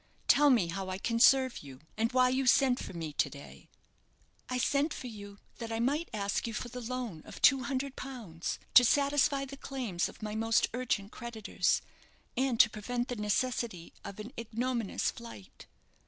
Tell me how I can serve you, and why you sent for me to day?" "I sent for you that I might ask you for the loan of two hundred pounds, to satisfy the claims of my most urgent creditors, and to prevent the necessity of an ignominious flight."